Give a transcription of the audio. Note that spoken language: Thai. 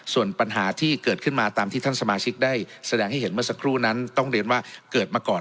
ส่วนปัญหาที่เกิดขึ้นมาตามที่ท่านสมาชิกได้แสดงให้เห็นเมื่อสักครู่นั้นต้องเรียนว่าเกิดมาก่อน